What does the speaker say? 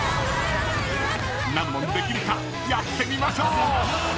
［何問できるかやってみましょう！］